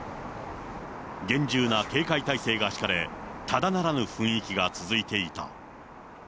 厳重な警戒態勢が敷かれ、ただならぬ雰囲気が続いていた。